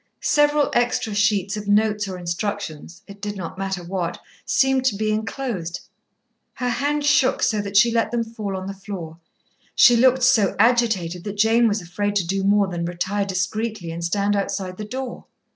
Several extra sheets of notes or instructions, it did not matter what, seemed to be enclosed. Her hand shook so that she let them fall on the floor. She looked so agitated that Jane was afraid to do more than retire discreetly and stand outside the door.